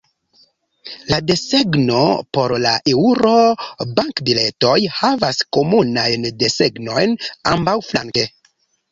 La desegno por la Eŭro-bankbiletoj havas komunajn desegnojn ambaŭflanke.